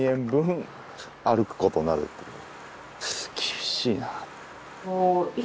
厳しいな。